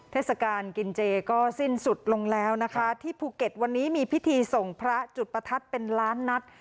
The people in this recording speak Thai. เทศกาลกินเจก็สิ้นสุดลงแล้วนะคะที่ภูเก็ตวันนี้มีพิธีส่งพระจุดประทัดเป็นล้านนัด